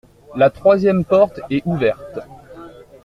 La troisième porte est ouverte.